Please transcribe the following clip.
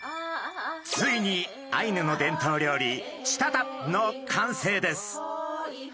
ついにアイヌの伝統料理チタタプの完成です。